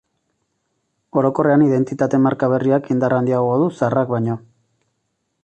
Orokorrean, identitate marka berriak indar handiago du zaharrak baino.